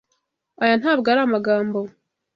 Aya ntabwo ari amagambo.